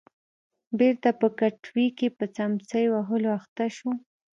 بېرته په کټوې کې په څمڅۍ وهلو اخته شو.